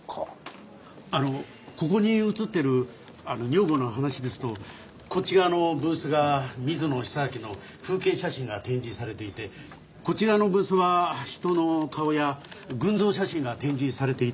あのここに写ってる女房の話ですとこっち側のブースが水野久明の風景写真が展示されていてこっち側のブースは人の顔や群像写真が展示されていたとか。